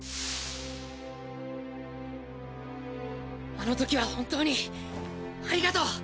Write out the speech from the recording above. あの時は本当にありがとう！